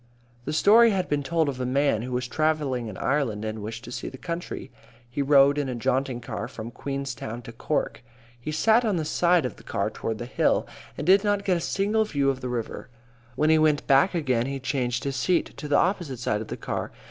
A story has been told of a man who was travelling in Ireland and wished to see the country. He rode in a jaunting car from Queenstown to Cork. He sat on the side of the car toward the hill and did not get a single view of the river. When he went back again he changed his seat to the opposite side of the car.